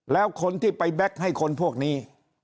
แล้วคนที่ไปแบ็คให้คนพวกนี้